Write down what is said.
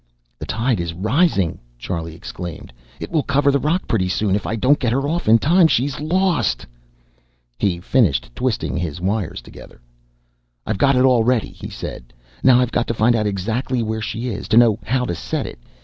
"The tide is rising!" Charlie exclaimed. "It will cover the rock pretty soon. If I don't get her off in time she's lost!" He finished twisting his wires together. "I've got it all ready," he said. "Now, I've got to find out exactly where she is, to know how to set it.